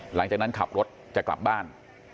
หลังจากนั้นขับรถจะกลับบ้าน